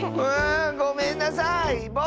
わんごめんなさい！